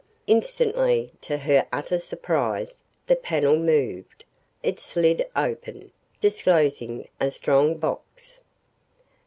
Instantly, to her utter surprise, the panel moved. It slid open, disclosing a strong box.